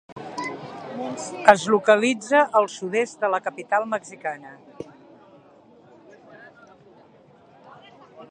Es localitza al sud-est de la capital mexicana.